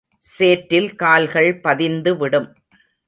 சேற்றில் கால்கள் பதிந்துவிடும்.